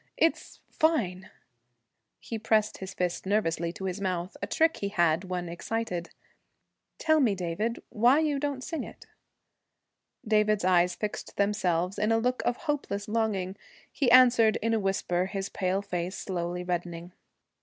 It's fine.' He pressed his fist nervously to his mouth, a trick he had when excited. 'Tell me, David, why you don't sing it.' David's eyes fixed themselves in a look of hopeless longing. He answered in a whisper, his pale face slowly reddening.